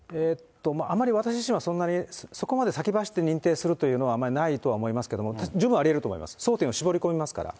あまり私自身はそんなにそこまで先走って認定するというのは、あまりないとは思いますけれども、十分ありえるとおもいます、争点